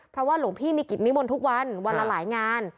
เพราะว่าหลวงพี่มีกิจนิมนต์ทุกวันวันละหลายงาน